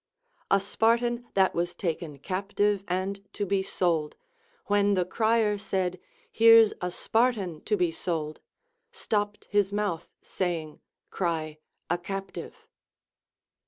A Spartan that Avas taken cap tive and to be sold, — Avhen the crier said. Here's a Spartan to be sold, — stopped his mouth, saying. Cry a captive.